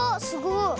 すごい。